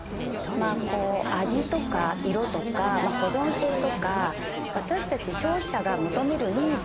まあこう味とか色とか保存性とか私たち消費者が求めるニーズ